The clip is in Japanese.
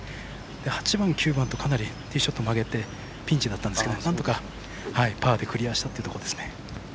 ８番、９番とかなりティーショット曲げてピンチだったんですけどなんとかパーでクリアしたというところですね。